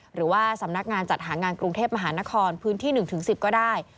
หรือว่าสำนักงานจัดหางานกรุงเทพมหานครพื้นที่๑๑๐ก็ได้